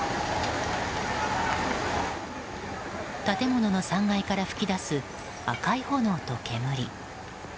建物の３階から噴き出す赤い炎と煙。